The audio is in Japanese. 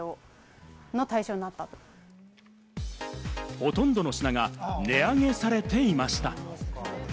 ほとんどの品が値上げされていました。